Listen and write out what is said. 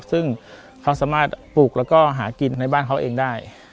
ซึ่งเขาสามารถปลูกแล้วก็หากินในบ้านเขาเองได้